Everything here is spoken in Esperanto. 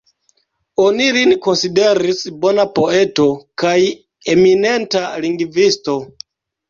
Oni lin konsideris bona poeto kaj eminenta lingvisto.